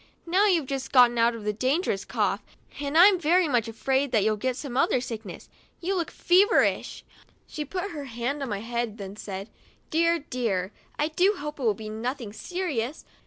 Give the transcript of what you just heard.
Now, you've just gotten over a dangerous cough, and I'm very much afraid that you'll get some other sickness. You look feverish." 40 WEDNESDAY— I GET A NEW DRESS She put her hand on my head then, and said :" Dear, dear, I do hope it will be nothing serious!